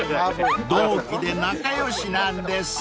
［同期で仲良しなんです］